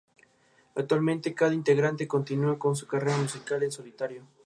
Actualmente cada integrante continúa con su carrera musical en solitario.